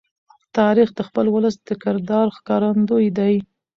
تاریخ د خپل ولس د کردار ښکارندوی دی.